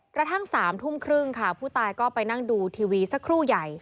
กระทั่ง๓ทุ่มครึ่งค่ะผู้ตายก็ไปนั่งดูทีวีสักครู่ใหญ่